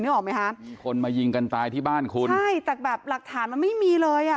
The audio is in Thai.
ออกไหมคะมีคนมายิงกันตายที่บ้านคุณใช่แต่แบบหลักฐานมันไม่มีเลยอ่ะ